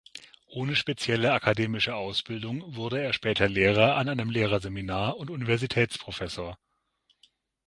Ohne spezielle akademische Ausbildung wurde er später Lehrer an einem Lehrerseminar und Universitätsprofessor.